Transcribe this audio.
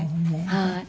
はい。